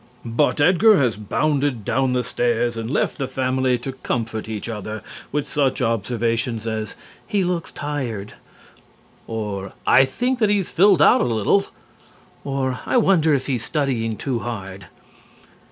But Edgar has bounded down the stairs and left the Family to comfort each other with such observations as "He looks tired," "I think that he has filled out a little," or "I wonder if he's studying too hard."